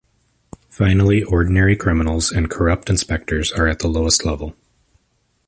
Finally ordinary criminals and corrupt inspectors are at the lowest level.